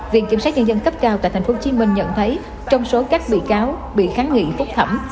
viện kiểm sát nhân dân cấp cao tại tp hcm nhận thấy trong số các bị cáo bị kháng nghị phúc thẩm